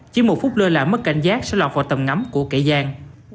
chỉ một phút lơ là mất cảnh giác sẽ lọt vào tầm ngắm của kẻ gian